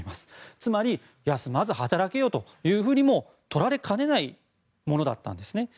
つまり、休まず働けよというふうにも取られかねないものだったんです。